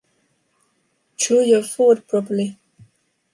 Chew your food properly.